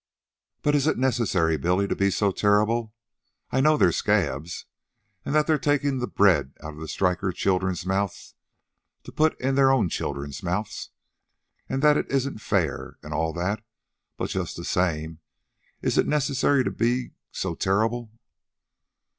"But is it necessary, Billy, to be so terrible? I know they're scabs, and that they're taking the bread out of the strikers' children's mouths to put in their own children's mouths, and that it isn't fair and all that; but just the same is it necessary to be so... terrible?"